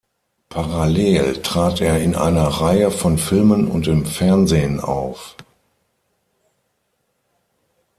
Parallel trat er in einer Reihe von Filmen und im Fernsehen auf.